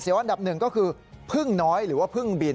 อันดับหนึ่งก็คือพึ่งน้อยหรือว่าพึ่งบิน